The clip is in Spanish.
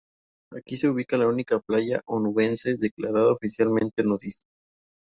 Aquí se ubica la única playa onubense declarada oficialmente nudista.